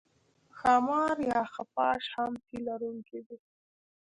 ښامار یا خفاش هم تی لرونکی دی